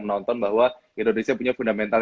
menonton bahwa indonesia punya fundamental